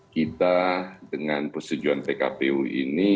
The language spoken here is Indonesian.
kita dengan persetujuan pkpu ini